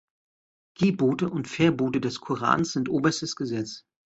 Gebote und Verbote des Korans sind oberstes Gesetz.